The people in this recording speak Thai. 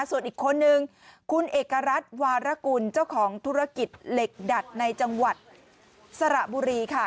ส่วนอีกคนนึงคุณเอกรัฐวารกุลเจ้าของธุรกิจเหล็กดัดในจังหวัดสระบุรีค่ะ